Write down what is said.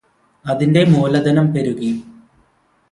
അതിന്റെ മൂലധനം പെരുകി.